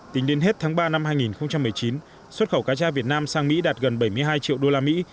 tính đến hết tháng ba năm hai nghìn một mươi chín xuất khẩu cá tra việt nam sang mỹ đạt gần bảy mươi hai triệu đô la mỹ